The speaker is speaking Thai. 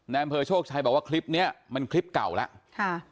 อำเภอโชคชัยบอกว่าคลิปนี้มันคลิปเก่าแล้วค่ะ